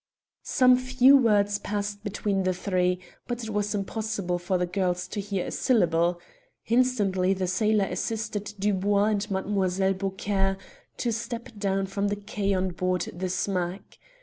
Some few words passed between the three, but it was impossible for the girls to hear a syllable. Instantly the sailor assisted Dubois and Mademoiselle Beaucaire to step down from the quay on board the smack.